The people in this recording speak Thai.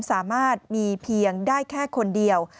สามารถมีเพียงได้แค่คนเดียว